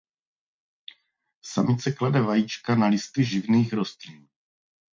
Samice klade vajíčka na listy živných rostlin.